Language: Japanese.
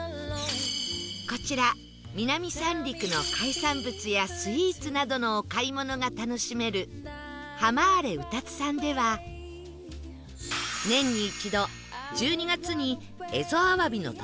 こちら南三陸の海産物やスイーツなどのお買い物が楽しめるハマーレ歌津さんでは年に一度１２月に蝦夷あわびの特売会